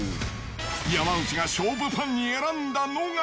山内が勝負パンに選んだのが。